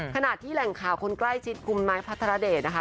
ขณะที่แหล่งข่าวคนใกล้ชิดคุณไม้พัทรเดชนะคะ